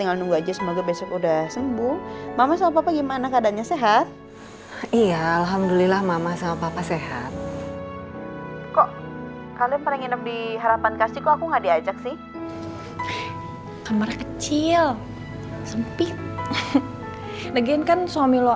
lagian kan suami lo